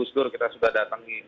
presiden gusdur kita sudah datang ke